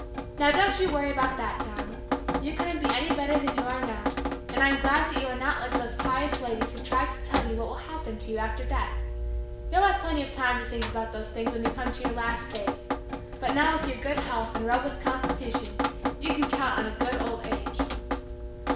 'Now, don't you worry about that, darling, you couldn't be any better than you are now; and I am glad that you are not like these pious ladies who try to tell you what will happen to you after death. You'll have plenty of time to think about those things when you come to your last days; but now with your good health and robust constitution you can count on a good old age.'"